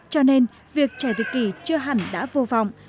cho nên việc trẻ định kỳ chưa hẳn đã vô vọng